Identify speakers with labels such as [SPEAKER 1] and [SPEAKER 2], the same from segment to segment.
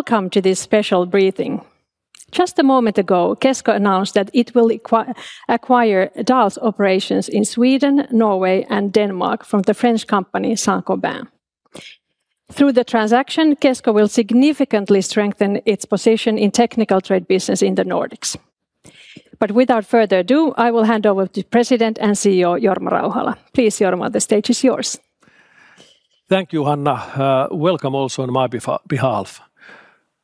[SPEAKER 1] Welcome to this special briefing. Just a moment ago, Kesko announced that it will acquire Dahl's operations in Sweden, Norway, and Denmark from the French company Saint-Gobain. Through the transaction, Kesko will significantly strengthen its position in technical trade business in the Nordics. Without further ado, I will hand over to President and CEO Jorma Rauhala. Please, Jorma, the stage is yours.
[SPEAKER 2] Thank you, Hanna. Welcome also on my behalf.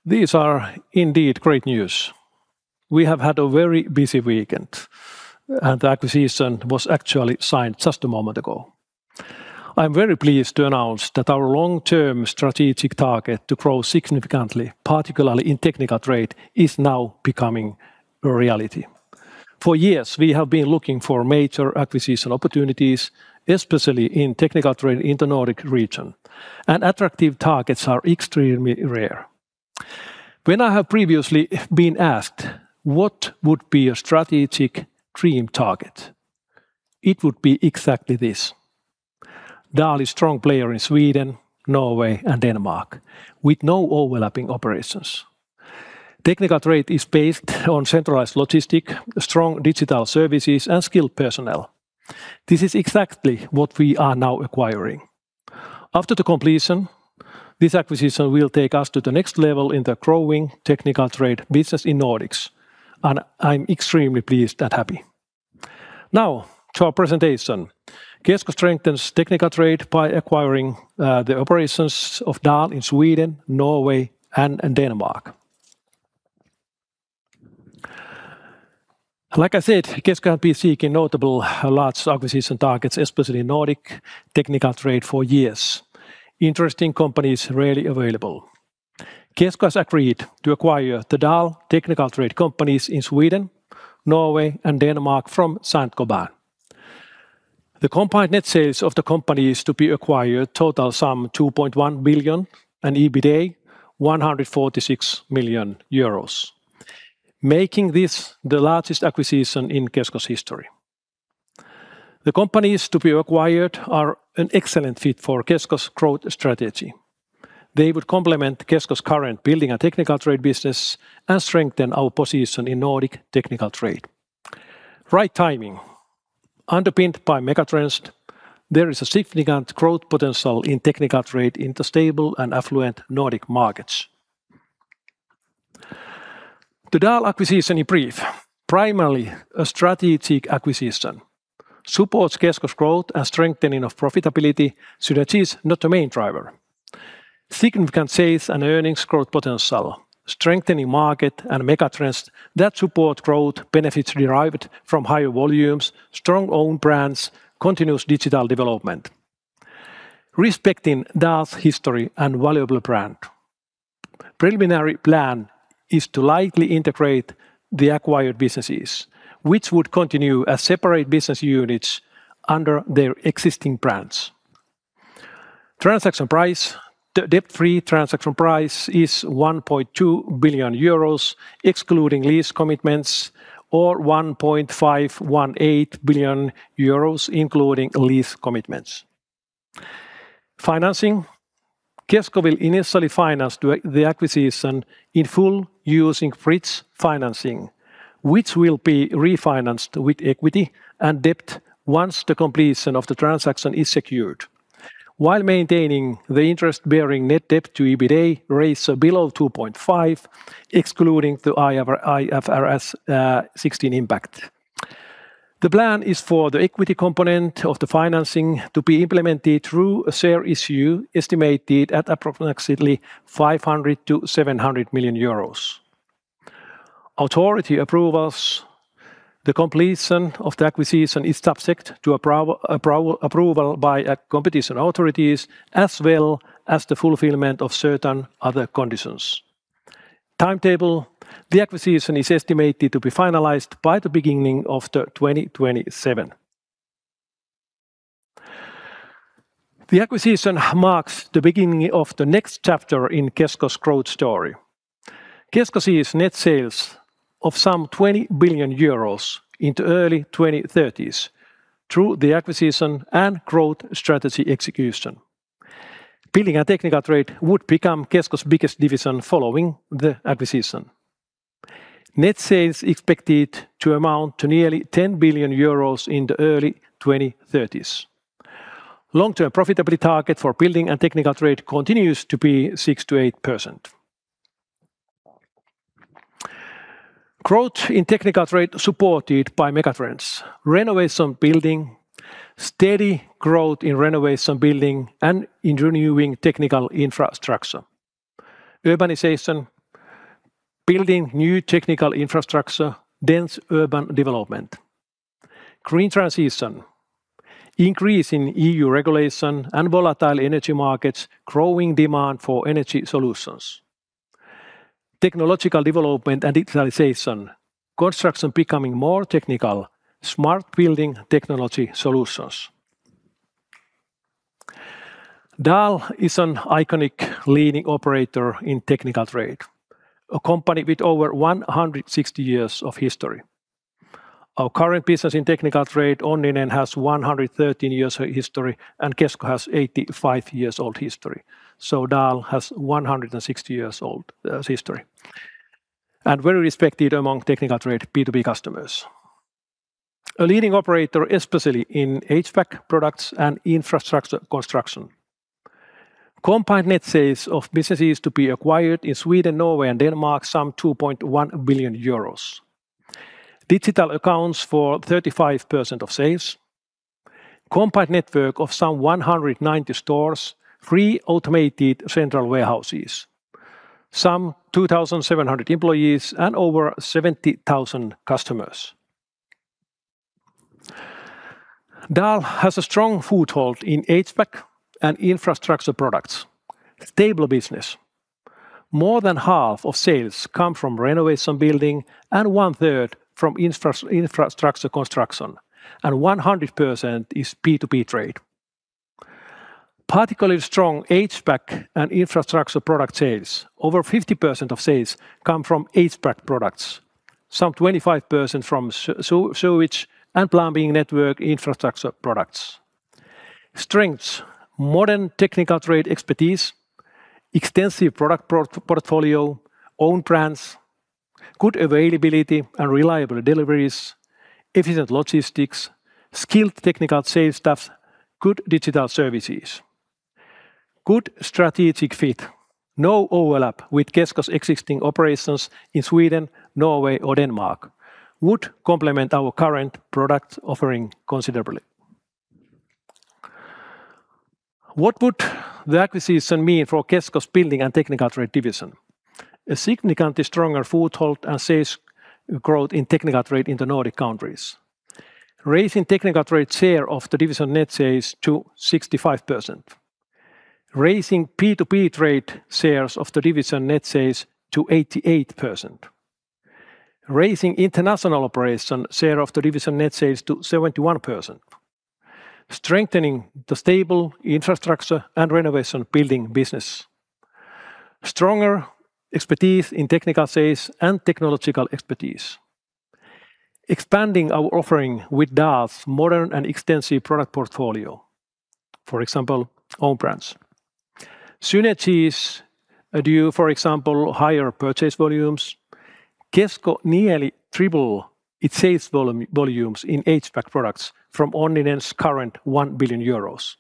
[SPEAKER 2] These are indeed great news. We have had a very busy weekend, and the acquisition was actually signed just a moment ago. I'm very pleased to announce that our long-term strategic target to grow significantly, particularly in technical trade, is now becoming a reality. For years, we have been looking for major acquisition opportunities, especially in technical trade in the Nordic region. Attractive targets are extremely rare. When I have previously been asked what would be a strategic dream target, it would be exactly this. Dahl is strong player in Sweden, Norway, and Denmark, with no overlapping operations. Technical trade is based on centralized logistic, strong digital services, and skilled personnel. This is exactly what we are now acquiring. After the completion, this acquisition will take us to the next level in the growing technical trade business in Nordics, I'm extremely pleased and happy. Now, to our presentation. Kesko strengthens technical trade by acquiring the operations of Dahl in Sweden, Norway, and Denmark. Like I said, Kesko have been seeking notable large acquisition targets, especially Nordic technical trade, for years. Interesting companies rarely available. Kesko has agreed to acquire the Dahl technical trade companies in Sweden, Norway, and Denmark from Saint-Gobain. The combined net sales of the companies to be acquired total 2.1 billion and EBITA 146 million euros, making this the largest acquisition in Kesko's history. The companies to be acquired are an excellent fit for Kesko's growth strategy. They would complement Kesko's current building and technical trade business and strengthen our position in Nordic technical trade. Right timing. Underpinned by megatrends, there is a significant growth potential in technical trade in the stable and affluent Nordic markets. The Dahl acquisition in brief. Primarily a strategic acquisition. Supports Kesko's growth and strengthening of profitability. That is not a main driver. Significant sales and earnings growth potential. Strengthening market and megatrends that support growth benefits derived from higher volumes, strong own brands, continuous digital development. Respecting Dahl's history and valuable brand. Preliminary plan is to lightly integrate the acquired businesses, which would continue as separate business units under their existing brands. Transaction price. The debt-free transaction price is 1.2 billion euros, excluding lease commitments, or 1.518 billion euros, including lease commitments. Financing. Kesko will initially finance the acquisition in full using bridge financing, which will be refinanced with equity and debt once the completion of the transaction is secured, while maintaining the interest bearing net debt to EBITA ratio below 2.5, excluding the IFRS 16 impact. The plan is for the equity component of the financing to be implemented through a share issue estimated at approximately 500 million-700 million euros. Authority approvals. The completion of the acquisition is subject to approval by competition authorities, as well as the fulfillment of certain other conditions. Timetable. The acquisition is estimated to be finalized by the beginning of 2027. The acquisition marks the beginning of the next chapter in Kesko's growth story. Kesko sees net sales of some 20 billion euros in the early 2030s through the acquisition and growth strategy execution. Building and technical trade would become Kesko's biggest division following the acquisition. Net sales expected to amount to nearly 10 billion euros in the early 2030s. Long-term profitability target for building and technical trade continues to be 6%-8%. Growth in technical trade supported by megatrends. Renovation building, steady growth in renovation building and renewing technical infrastructure. Urbanization, building new technical infrastructure, dense urban development. Green transition, increase in EU regulation and volatile energy markets, growing demand for energy solutions. Technological development and digitalization, construction becoming more technical, smart building technology solutions. Dahl is an iconic leading operator in technical trade, a company with over 160 years of history. Our current business in technical trade, Onninen, has 113 years of history, and Kesko has 85 years old history. Dahl has 160 years old history and very respected among technical trade B2B customers. A leading operator, especially in HVAC products and infrastructure construction. Combined net sales of businesses to be acquired in Sweden, Norway, and Denmark, some 2.1 billion euros. Digital accounts for 35% of sales. Combined network of some 190 stores, three automated central warehouses, some 2,700 employees, and over 17,000 customers. Dahl has a strong foothold in HVAC and infrastructure products. Stable business. More than half of sales come from renovation building and one-third from infrastructure construction, and 100% is B2B trade. Particularly strong HVAC and infrastructure product sales. Over 50% of sales come from HVAC products, some 25% from sewage and plumbing network infrastructure products. Strengths, modern technical trade expertise, extensive product portfolio, own brands, good availability and reliable deliveries, efficient logistics, skilled technical sales staff, good digital services. Good strategic fit. No overlap with Kesko's existing operations in Sweden, Norway, or Denmark. Would complement our current product offering considerably. What would the acquisition mean for Kesko's building and technical trade division? A significantly stronger foothold and sales growth in technical trade in the Nordic countries. Raising technical trade share of the division net sales to 65%. Raising B2B trade shares of the division net sales to 88%. Raising international operation share of the division net sales to 71%. Strengthening the stable infrastructure and renovation building business. Stronger expertise in technical sales and technological expertise. Expanding our offering with Dahl's modern and extensive product portfolio, for example, own brands. Synergies due, for example, higher purchase volumes. Kesko nearly triple its sales volumes in HVAC products from Onninen's current 1 billion euros.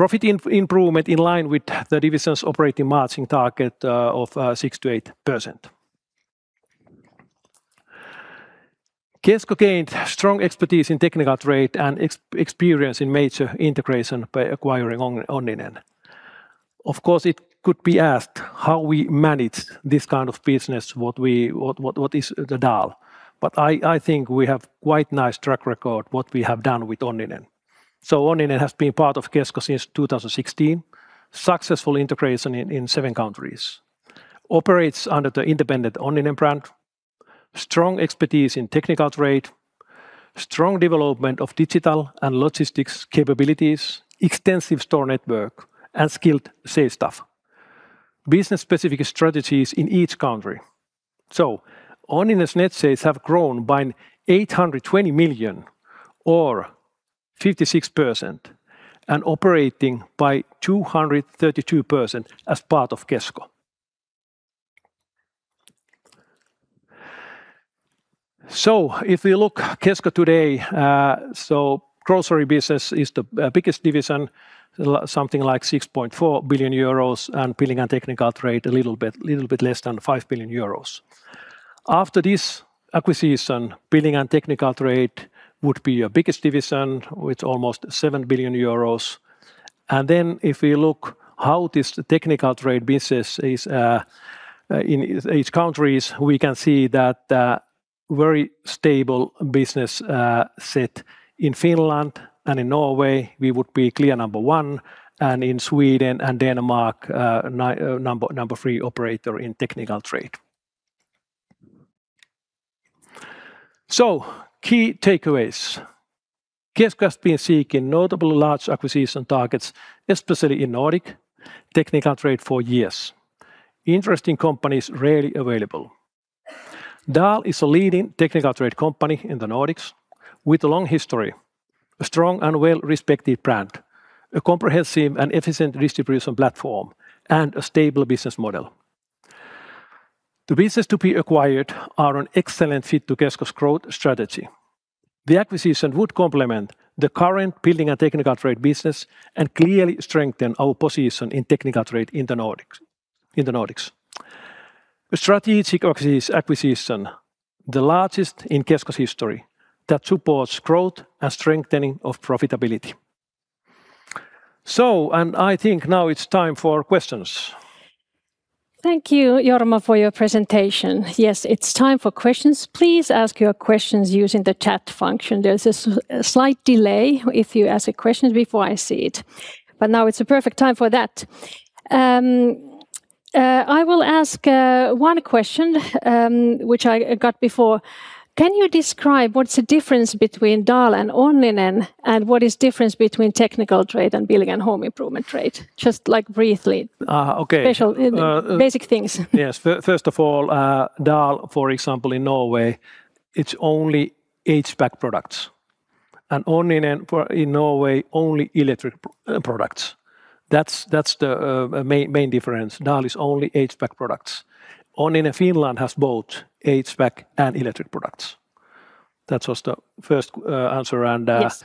[SPEAKER 2] Profit improvement in line with the division's operating margin target of 6%-8%. Kesko gained strong expertise in technical trade and experience in major integration by acquiring Onninen. Of course, it could be asked how we manage this kind of business, what is the Dahl? I think we have quite nice track record what we have done with Onninen. Onninen has been part of Kesko since 2016. Successful integration in seven countries. Operates under the independent Onninen brand. Strong expertise in technical trade, strong development of digital and logistics capabilities, extensive store network, and skilled sales staff. Business-specific strategies in each country. Onninen's net sales have grown by 820 million or 56%, and operating by 232% as part of Kesko. If you look Kesko today, grocery business is the biggest division, something like 6.4 billion euros, and building and technical trade a little bit less than 5 billion euros. After this acquisition, building and technical trade would be our biggest division with almost 7 billion euros. If we look how this technical trade business is in each countries, we can see that very stable business set in Finland and in Norway, we would be clear number one, and in Sweden and Denmark, number three operator in technical trade. Key takeaways. Kesko has been seeking notably large acquisition targets, especially in Nordic technical trade for years. Interesting companies rarely available. Dahl is a leading technical trade company in the Nordics with a long history, a strong and well-respected brand, a comprehensive and efficient distribution platform, and a stable business model. The business to be acquired are an excellent fit to Kesko's growth strategy. The acquisition would complement the current building and technical trade business and clearly strengthen our position in technical trade in the Nordics. A strategic acquisition, the largest in Kesko's history, that supports growth and strengthening of profitability. I think now it's time for questions.
[SPEAKER 1] Thank you, Jorma, for your presentation. Yes, it's time for questions. Please ask your questions using the chat function. There's a slight delay if you ask a question before I see it, but now it's a perfect time for that. I will ask one question, which I got before. Can you describe what's the difference between Dahl and Onninen, and what is difference between technical trade and building and home improvement trade? Just like briefly.
[SPEAKER 2] Okay.
[SPEAKER 1] Special, basic things.
[SPEAKER 2] Yes. First of all, Dahl, for example, in Norway, it's only HVAC products. Onninen in Norway only electric products. That's the main difference. Dahl is only HVAC products. Onninen Finland has both HVAC and electric products. That was the first answer.
[SPEAKER 1] Yes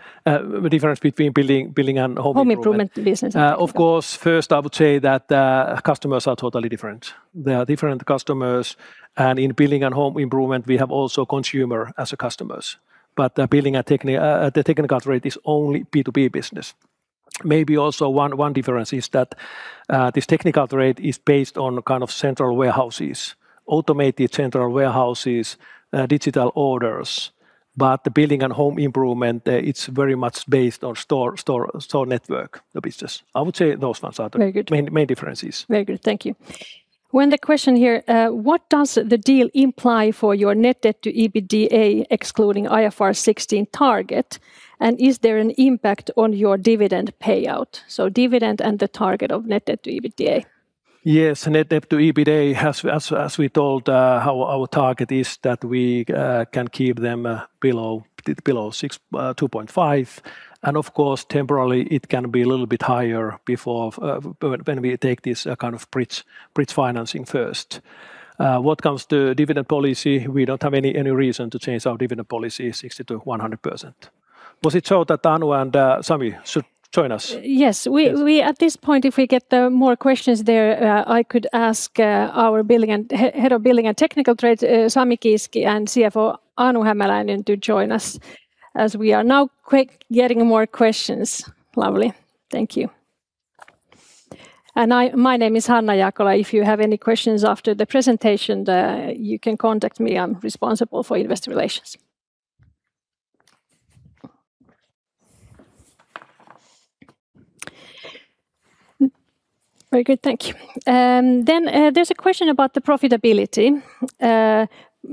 [SPEAKER 2] the difference between building and home improvement.
[SPEAKER 1] Home improvement business.
[SPEAKER 2] Of course, first I would say that the customers are totally different. They are different customers. In building and home improvement, we have also consumer as a customers, but the technical trade is only B2B business. Maybe also one difference is that this technical trade is based on automated central warehouses, digital orders. The building and home improvement, it is very much based on store network business. I would say those ones are.
[SPEAKER 1] Very good.
[SPEAKER 2] main differences.
[SPEAKER 1] Very good. Thank you. One of the question here, what does the deal imply for your net debt to EBITDA excluding IFRS 16 target? Is there an impact on your dividend payout? Dividend and the target of net debt to EBITDA.
[SPEAKER 2] Yes, net debt to EBITDA, as we told, our target is that we can keep them below 2.5, and of course, temporarily it can be a little bit higher when we take this bridge financing first. Comes to dividend policy, we don't have any reason to change our dividend policy 60% to 100%. Was it so that Anu and Sami should join us?
[SPEAKER 1] Yes. At this point, if we get the more questions there, I could ask our head of building and technical trade, Sami Kiiski, and CFO Anu Hämäläinen to join us as we are now getting more questions. Lovely. Thank you. My name is Hanna Jaakkola. If you have any questions after the presentation, you can contact me. I'm responsible for investor relations. Very good. Thank you. There's a question about the profitability.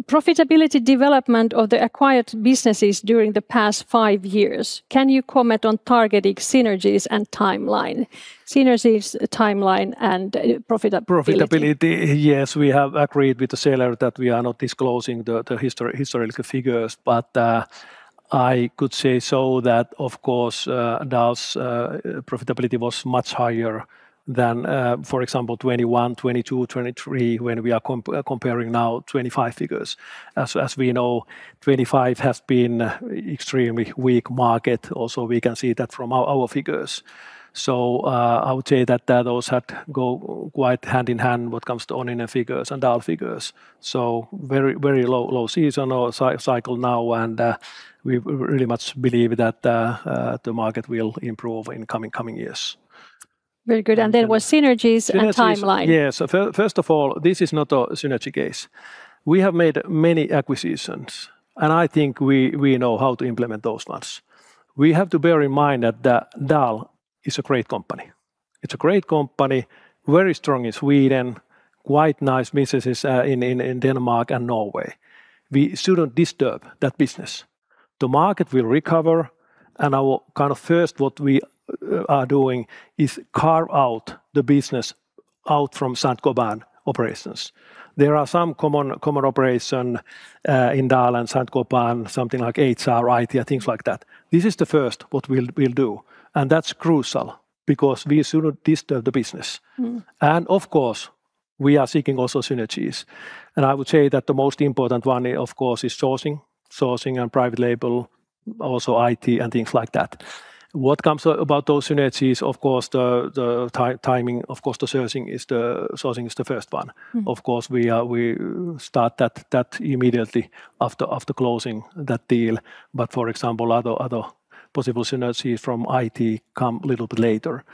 [SPEAKER 1] Profitability development of the acquired businesses during the past five years. Can you comment on targeting synergies and timeline? Synergies, timeline, and profitability.
[SPEAKER 2] Profitability. Yes, we have agreed with the seller that we are not disclosing the historical figures. I could say so that, of course, Dahl's profitability was much higher than for example 2021, 2022, 2023, when we are comparing now 2025 figures. As we know, 2025 has been extremely weak market. Also, we can see that from our figures. I would say that those had go quite hand in hand what comes to Onninen figures and Dahl figures. Very low season or cycle now and we really much believe that the market will improve in coming years.
[SPEAKER 1] Very good. With synergies and timeline.
[SPEAKER 2] Synergies. Yes. First of all, this is not a synergy case. We have made many acquisitions. I think we know how to implement those ones. We have to bear in mind that Dahl is a great company. It's a great company, very strong in Sweden, quite nice businesses in Denmark and Norway. We shouldn't disturb that business. The market will recover. Our first what we are doing is carve out the business out from Saint-Gobain operations. There are some common operations in Dahl and Saint-Gobain, something like HR, IT, things like that. This is the first what we'll do. That's crucial because we shouldn't disturb the business. Of course, we are seeking also synergies. I would say that the most important one, of course, is sourcing and private label, also IT and things like that. What comes about those synergies, of course, the timing, of course, the sourcing is the first one. Of course, we start that immediately after closing that deal. For example, other possible synergies from IT come little bit later.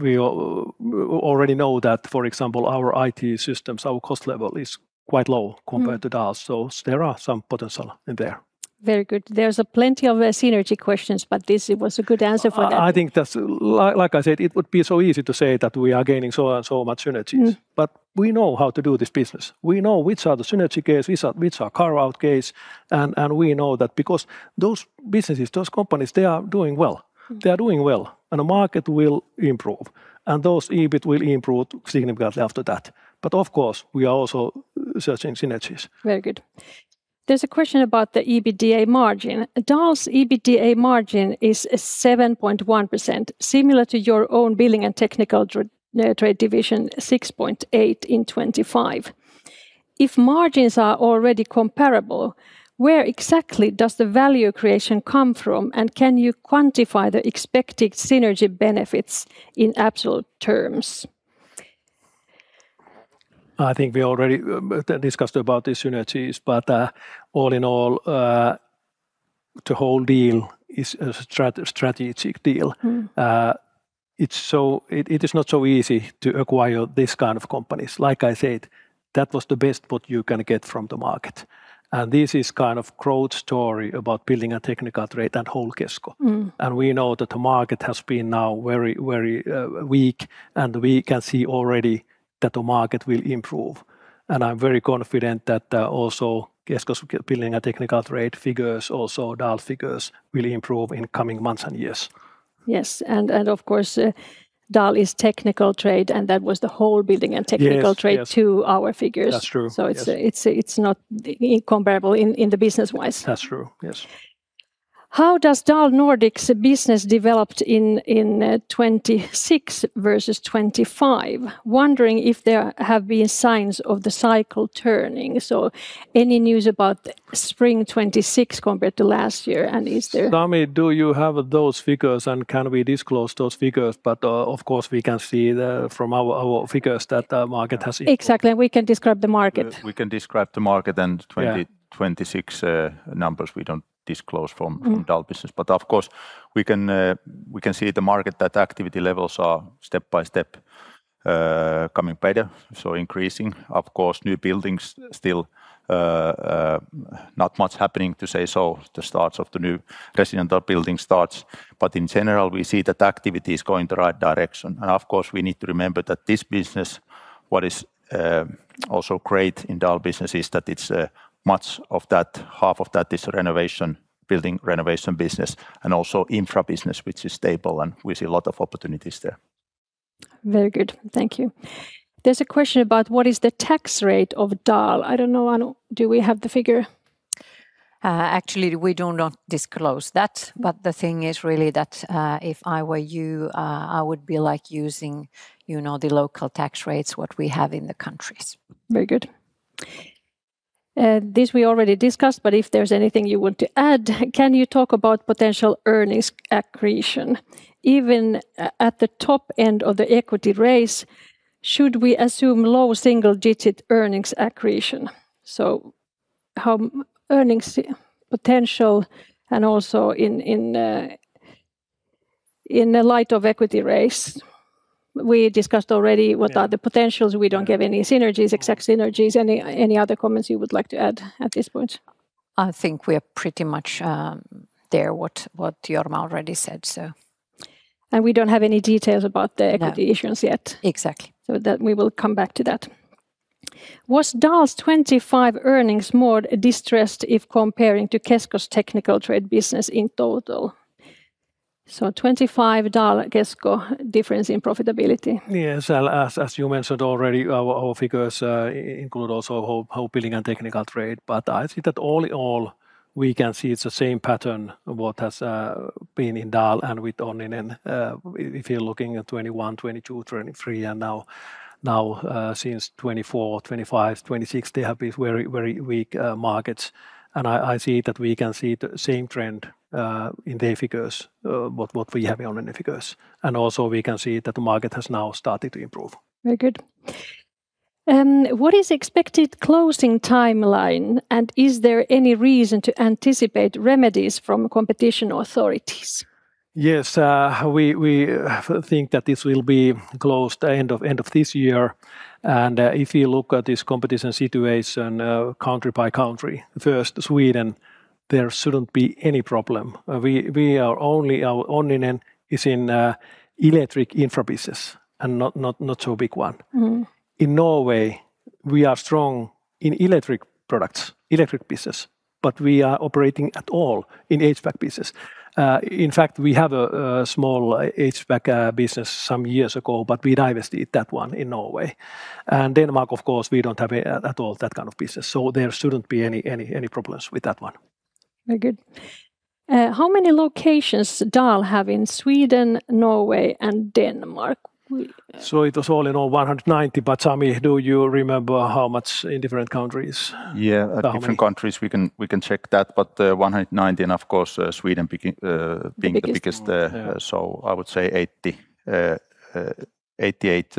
[SPEAKER 2] We already know that, for example, our IT systems, our cost level is quite low compared to ours. There are some potential in there.
[SPEAKER 1] Very good. There's plenty of synergy questions. This was a good answer for that.
[SPEAKER 2] Like I said, it would be so easy to say that we are gaining so and so much synergies. We know how to do this business. We know which are the synergy case, which are carve-out case, and we know that because those businesses, those companies, they are doing well. They are doing well, and the market will improve, and those EBIT will improve significantly after that. Of course, we are also searching synergies.
[SPEAKER 1] Very good. There's a question about the EBITDA margin. Dahl's EBITDA margin is 7.1%, similar to your own Building and Technical Trade division, 6.8% in 2025. If margins are already comparable, where exactly does the value creation come from, and can you quantify the expected synergy benefits in absolute terms?
[SPEAKER 2] I think we already discussed about the synergies, but all in all, the whole deal is a strategic deal. It is not so easy to acquire this kind of companies. Like I said, that was the best what you can get from the market. This is growth story about building a technical trade and whole Kesko. We know that the market has been now very weak, and we can see already that the market will improve. I'm very confident that also Kesko's building a technical trade figures, also Dahl figures will improve in coming months and years.
[SPEAKER 1] Yes, of course, Dahl is technical trade, and that was the whole building and technical trade to our figures.
[SPEAKER 2] That's true.
[SPEAKER 1] It's not incomparable in the business-wise.
[SPEAKER 2] That's true, yes.
[SPEAKER 1] How does Dahl Nordic's business developed in 2026 versus 2025? Wondering if there have been signs of the cycle turning. Any news about spring 2026 compared to last year.
[SPEAKER 2] Sami, do you have those figures, and can we disclose those figures? Of course, we can see from our figures that the market has improved.
[SPEAKER 1] Exactly, we can describe the market.
[SPEAKER 3] We can describe the market and 2026 numbers we don't disclose from Dahl business. Of course, we can see the market that activity levels are step by step coming better, so increasing. Of course, new buildings, still not much happening to say. The start of the new residential building starts. In general, we see that activity is going the right direction. Of course, we need to remember that this business, what is also great in Dahl business is that it's much of that, half of that is renovation, building renovation business, and also infra business, which is stable, and we see a lot of opportunities there.
[SPEAKER 1] Very good. Thank you. There's a question about what is the tax rate of Dahl. I don't know, Anu, do we have the figure?
[SPEAKER 4] Actually, we do not disclose that. The thing is really that if I were you, I would be using the local tax rates, what we have in the countries.
[SPEAKER 1] Very good. This we already discussed, if there's anything you want to add, can you talk about potential earnings accretion? Even at the top end of the equity raise, should we assume low single-digit earnings accretion? How earnings potential and also in the light of equity raise. We discussed already what are the potentials. We don't give any synergies, exact synergies. Any other comments you would like to add at this point?
[SPEAKER 4] I think we are pretty much there, what Jorma already said.
[SPEAKER 1] We don't have any details about the equity issuance yet.
[SPEAKER 4] Exactly.
[SPEAKER 1] We will come back to that. Was Dahl's 2025 earnings more distressed if comparing to Kesko's technical trade business in total? 2025 Dahl, Kesko difference in profitability.
[SPEAKER 2] Yes, as you mentioned already, our figures include also whole building and technical trade. I see that all in all, we can see it's the same pattern what has been in Dahl and with Onninen if you're looking at 2021, 2022, 2023, and now since 2024, 2025, 2026, they have these very weak markets. I see that we can see the same trend in their figures, what we have in Onninen figures. Also we can see that the market has now started to improve.
[SPEAKER 1] Very good. What is expected closing timeline, and is there any reason to anticipate remedies from competition authorities?
[SPEAKER 2] Yes, we think that this will be closed end of this year. If you look at this competition situation country by country, first Sweden, there shouldn't be any problem. Onninen is in electric infra business and not so big one. In Norway, we are strong in electric products, electric business, but we are operating at all in HVAC business. In fact, we have a small HVAC business some years ago, but we divested that one in Norway. Denmark, of course, we don't have at all that kind of business, so there shouldn't be any problems with that one.
[SPEAKER 1] Very good. How many locations Dahl have in Sweden, Norway, and Denmark?
[SPEAKER 2] It was all in all 190, Sami, do you remember how much in different countries?
[SPEAKER 3] Different countries, we can check that, 190 and of course, Sweden being the biggest. I would say 88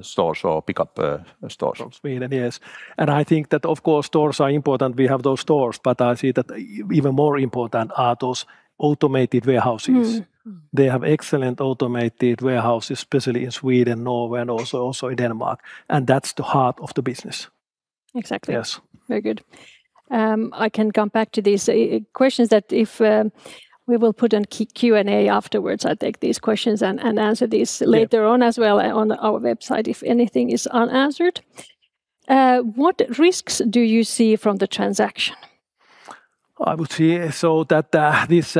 [SPEAKER 3] stores or pickup stores.
[SPEAKER 2] From Sweden, yes. I think that of course, stores are important. We have those stores, I see that even more important are those automated warehouses. They have excellent automated warehouses, especially in Sweden, Norway, and also in Denmark. That's the heart of the business.
[SPEAKER 1] Exactly.
[SPEAKER 2] Yes.
[SPEAKER 1] Very good. I can come back to these questions that if we will put on Q&A afterwards, I'll take these questions and answer these later on as well on our website if anything is unanswered. What risks do you see from the transaction?
[SPEAKER 2] I would see so that this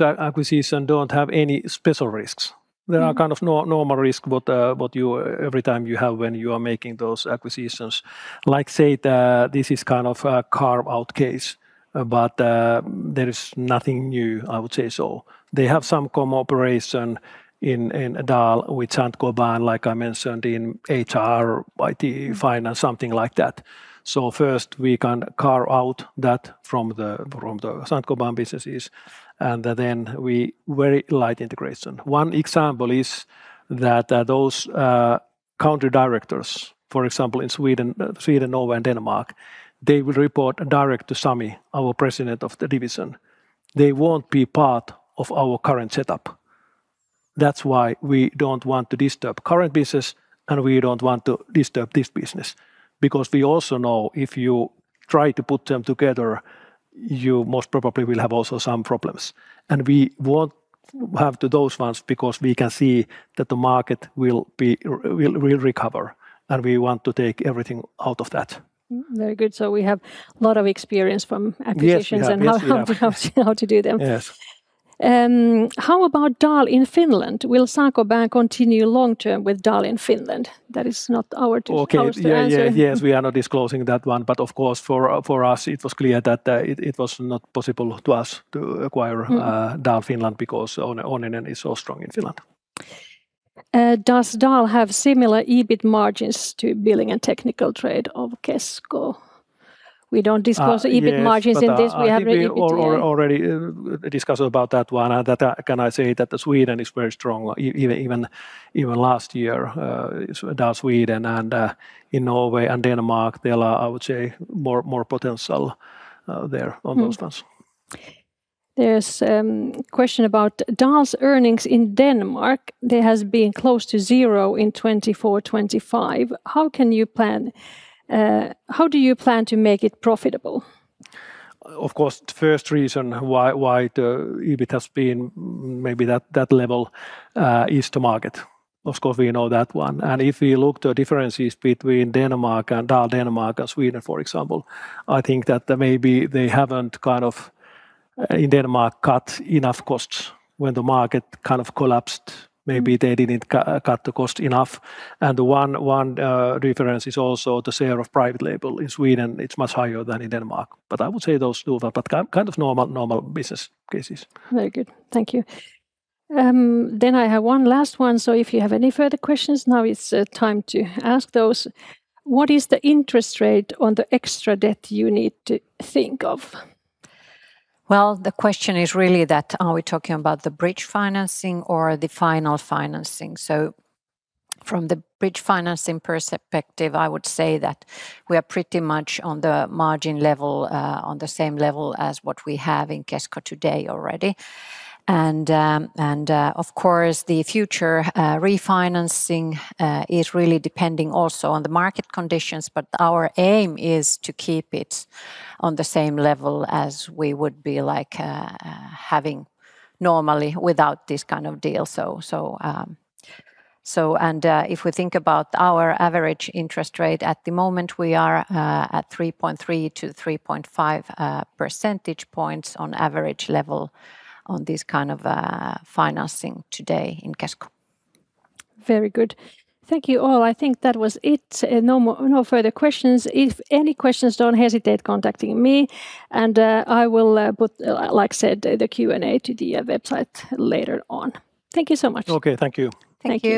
[SPEAKER 2] acquisition don't have any special risks. There are kind of normal risk, every time you have when you are making those acquisitions. Like say that this is kind of a carve-out case, but there is nothing new, I would say so. They have some cooperation in Dahl with Saint-Gobain, like I mentioned, in HR, IT, finance, something like that. First we can carve out that from the Saint-Gobain businesses, and then we very light integration. One example is that those country directors, for example in Sweden, Norway, and Denmark, they will report direct to Sami, our president of the division. They won't be part of our current setup. That's why we don't want to disturb current business, and we don't want to disturb this business. We also know if you try to put them together, you most probably will have also some problems. We won't have those ones because we can see that the market will recover, and we want to take everything out of that.
[SPEAKER 1] Very good. We have lot of experience from acquisitions.
[SPEAKER 2] Yes, we have
[SPEAKER 1] How to do them.
[SPEAKER 2] Yes.
[SPEAKER 1] How about Dahl Finland? Will Saint-Gobain continue long term with Dahl Finland? That is not ours to answer.
[SPEAKER 2] Yes, we are not disclosing that one. Of course, for us, it was clear that it was not possible to us to acquire Dahl Finland because Onninen is so strong in Finland.
[SPEAKER 1] Does Dahl have similar EBIT margins to building and technical trade of Kesko? We don't disclose EBIT margins in this.
[SPEAKER 2] I think we already discussed about that one. Can I say that Sweden is very strong, even last year, Dahl Sweden and in Norway and Denmark, there are, I would say, more potential there on those ones.
[SPEAKER 1] There's a question about Dahl's earnings in Denmark. They have been close to zero in 2024, 2025. How do you plan to make it profitable?
[SPEAKER 2] Of course, the first reason why the EBIT has been maybe that level is the market. Of course, we know that one. If we look to differences between Denmark and Dahl Denmark and Sweden, for example, I think that maybe they haven't, in Denmark, cut enough costs when the market collapsed. Maybe they didn't cut the cost enough. One difference is also the share of private label. In Sweden, it's much higher than in Denmark. I would say those two are but normal business cases.
[SPEAKER 1] Very good. Thank you. I have one last one. If you have any further questions, now is the time to ask those. What is the interest rate on the extra debt you need to think of?
[SPEAKER 4] The question is really, are we talking about the bridge financing or the final financing? From the bridge financing perspective, I would say that we are pretty much on the margin level, on the same level as what we have in Kesko today already. Of course, the future refinancing is really depending also on the market conditions, but our aim is to keep it on the same level as we would be like having normally without this kind of deal. If we think about our average interest rate, at the moment, we are at 3.3 to 3.5 percentage points on average level on this kind of financing today in Kesko.
[SPEAKER 1] Very good. Thank you all. I think that was it. No further questions. If any questions, don't hesitate contacting me. I will put, like I said, the Q&A to the website later on. Thank you so much.
[SPEAKER 2] Okay, thank you.
[SPEAKER 4] Thank you.